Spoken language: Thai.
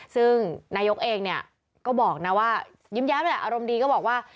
ซึ่งนายกเองเนี่ยก็บอกนะว่ายิ้มแย้มแหละอารมณ์ดีก็บอกว่า